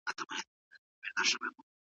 ماشومان مېلمنو ته مه راپرېږده.